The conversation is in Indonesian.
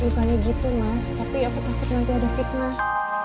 bukannya gitu mas tapi aku takut nanti ada fitnah